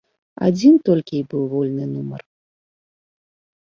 Адзін толькі й быў вольны нумар.